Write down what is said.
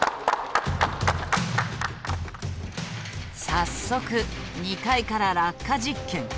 早速２階から落下実験。